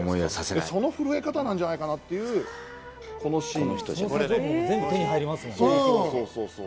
その震え方なんじゃないかなっていうシー全部、手に入りますしね。